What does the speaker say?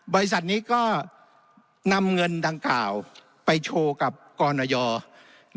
บริษัทนี้ก็นำเงินดังกล่าวไปโชว์กับกรณ์